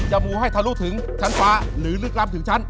มูให้ทะลุถึงชั้นฟ้าหรือลึกล้ำถึงชั้น